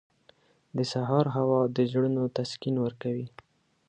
• د سهار هوا د زړونو تسکین ورکوي.